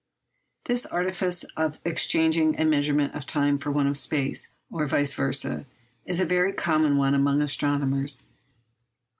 This artifice of exchanging a measurement of time for one of space—or vice versâ—is a very common one among astronomers.